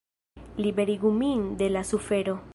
Liberigu min de la sufero!